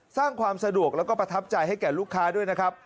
สร้างความสะดวกแล้วก็ประทับใจให้แก่ลูกค้าด้วยนะครับ